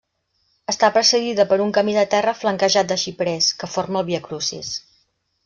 Està precedida per un camí de terra flanquejat de xiprers, que forma el Viacrucis.